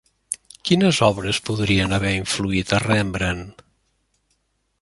Quines obres podrien haver influït a Rembrandt?